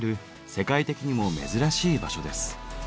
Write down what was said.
世界的にも珍しい場所です。